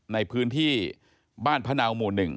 ในพื้นที่บ้านพระนาวหมู่หนึ่ง